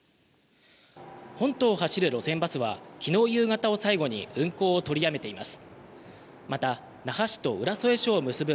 本島を走る路線バスは昨日夕方を最後に運行を取りやめています。